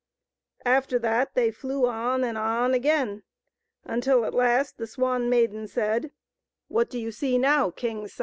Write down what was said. After that they flew on and on again, until, at last, the Swan Maiden said, " What do you see now, king's son